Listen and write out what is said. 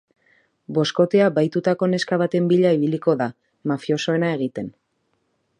Boskotea bahitutako neska baten bila ibiliko da, mafiosoena egiten.